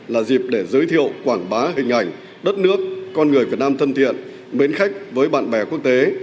là dịp để giới thiệu quảng bá hình ảnh đất nước con người việt nam thân thiện mến khách với bạn bè quốc tế